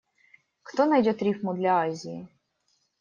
Кто найдёт рифму для «Азии»?